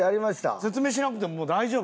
説明しなくてももう大丈夫？